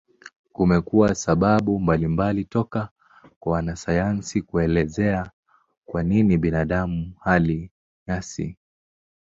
Kumekuwa sababu mbalimbali toka kwa wanasayansi kuelezea kwa nini binadamu hali nyasi.